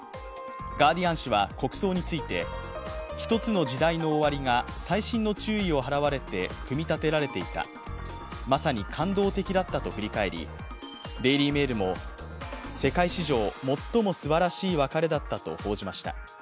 「ガーディアン」紙は国葬について、１つの時代の終わりが細心の注意を払われて組み立てられていた、まさに感動的だったと振り返り「デイリー・メール」も、世界史上最もすばらしい別れだったと報じました。